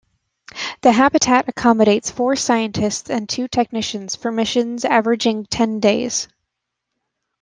The habitat accommodates four scientists and two technicians for missions averaging ten days.